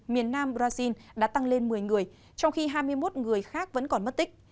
miền nam brazil đã tăng lên một mươi người trong khi hai mươi một người khác vẫn còn mất tích